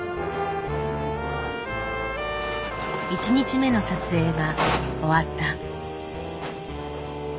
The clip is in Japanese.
１日目の撮影が終わった。